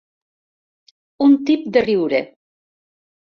Un tip de riure.